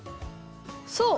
そう。